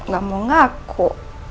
gak mau ngaku